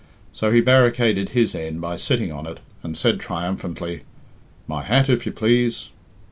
So he barricaded his end by sitting on it, and said triumphantly: "My hat, if you please."